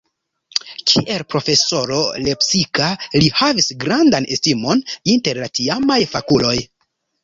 Kiel profesoro lepsika li havis grandan estimon inter la tiamaj fakuloj.